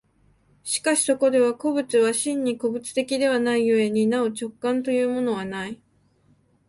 しかしそこでは個物は真に個物的ではない故になお直観というものはない。